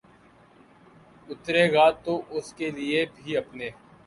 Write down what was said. اترے گا تو اس کے لیے بھی اپنے